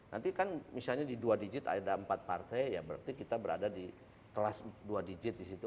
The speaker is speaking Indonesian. nanti kan misalnya di dua digit ada empat partai ya berarti kita berada di kelas dua digit di situ